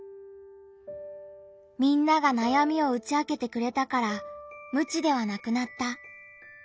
「みんなが悩みを打ち明けてくれたから無知ではなくなった」。